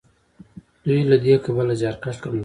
دوی له دې کبله زیارکښ ګڼل کیږي.